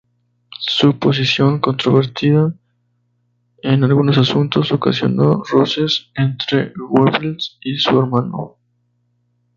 Su posición controvertida en algunos asuntos ocasionó roces entre Goebbels y su hermano.